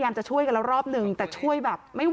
นานแล้วค่ะเจอนานแล้ว